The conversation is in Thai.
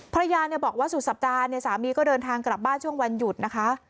ภรรยาเนี่ยบอกว่าสุดสัปดาห์เนี่ยสามีก็เดินทางกลับบ้านช่วงวันหยุดนะคะ